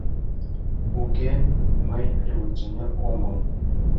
— Уке, мый революционер омыл.